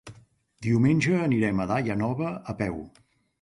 Diumenge anirem a Daia Nova a peu.